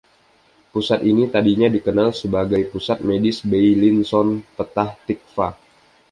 Pusat ini tadinya dikenal sebagai Pusat Medis Beilinson, Petah Tikva.